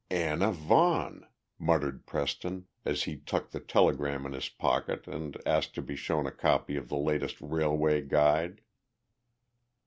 "Anna Vaughan!" muttered Preston, as he tucked the telegram in his pocket and asked to be shown a copy of the latest Railway Guide.